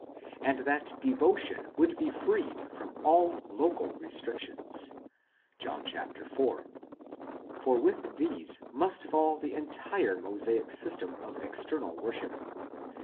and that devotion would be freed from all tocal restrictions (John iv.); for with these must fall the entire Mosaic system of external worship.